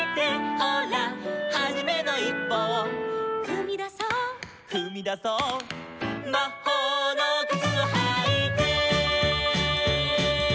「ほらはじめのいっぽを」「ふみだそう」「ふみだそう」「まほうのくつをはいて」